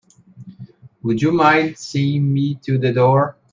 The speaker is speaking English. Would you mind seeing me to the door?